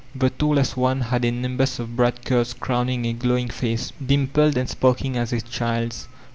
The tall est one had a nimbus of bright curls crowning a glowing face, dimpled and sparkling as a child's.